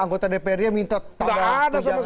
anggota dpr dia minta tambahan